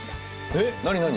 えっ何何？